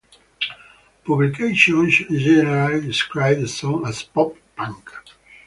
Publications generally described the song as pop punk.